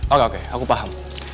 oke oke aku paham